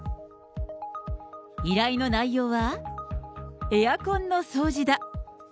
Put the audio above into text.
依頼の内容は、エアコンの掃除だ。